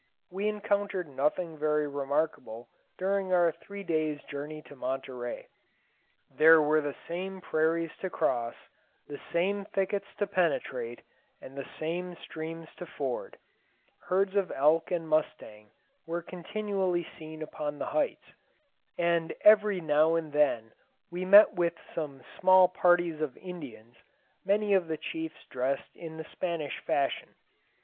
We encountered nothing very remarkable during our three days' journey to Monterey. There were the same prairies to cross, the same thickets to penetrate, and the same streams to ford. Herds of elk and mustangs were continually seen upon the heights, and every now and then we met with some small parties of Indians, many of the chiefs dressed in the Spanish fashion.